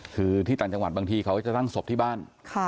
คือที่ต่างจังหวัดบางทีเขาก็จะตั้งศพที่บ้าน